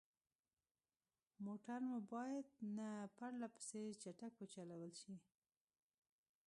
موټر مو باید نه پرلهپسې چټک وچلول شي.